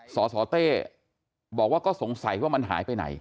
สสเต้บอกว่าก็สงสัยว่ามันหายไปไหน